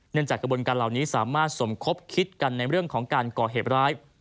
จากกระบวนการเหล่านี้สามารถสมคบคิดกันในเรื่องของการก่อเหตุร้าย